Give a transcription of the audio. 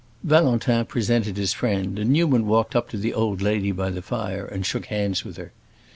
Valentin presented his friend, and Newman walked up to the old lady by the fire and shook hands with her.